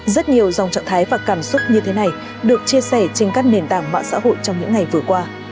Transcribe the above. rất nhiều dòng trạng thái và cảm xúc như thế này được chia sẻ trên các nền tảng mạng xã hội trong những ngày vừa qua